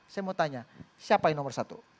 saya mau tanya siapa yang nomor satu